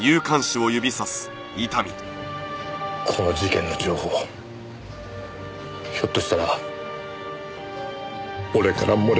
この事件の情報ひょっとしたら俺から漏れたのかも。